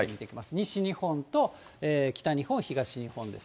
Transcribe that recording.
西日本と北日本、東日本です。